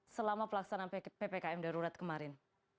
selama pelaksanaan ppkm darurat kemarin